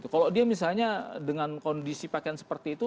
kalau dia misalnya dengan kondisi pakaian seperti itu